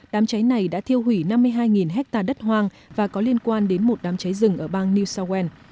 đám cháy này đã thiêu hủy năm mươi hai hectare đất hoang và có liên quan đến một đám cháy rừng ở bang new south wales